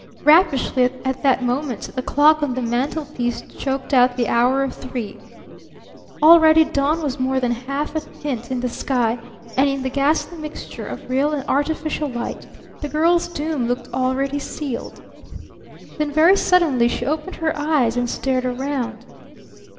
Raspishly at that moment the clock on the mantelpiece choked out the hour of three. Already Dawn was more than half a hint in the sky, and in the ghastly mixture of real and artificial light the girl's doom looked already sealed. Then very suddenly she opened her eyes and stared around.